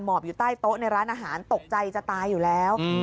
หมอบอยู่ใต้โต๊ะในร้านอาหารตกใจจะตายอยู่แล้ว